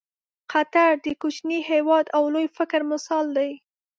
قطر د کوچني هېواد او لوی فکر مثال دی.